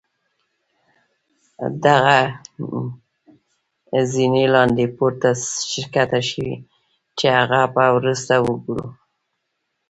دغه زينې لاندې پوړ ته ښکته شوي چې هغه به وروسته وګورو.